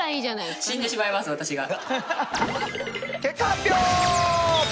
結果発表！